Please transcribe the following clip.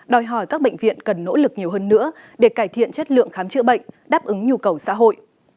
đòi hỏi các bệnh viện cần nỗ lực nhiều hơn nữa để cải thiện chất lượng khám chữa bệnh đáp ứng nhu cầu xã hội